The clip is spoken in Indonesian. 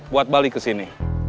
buat balik ke sini